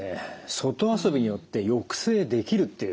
外遊びによって抑制できるという。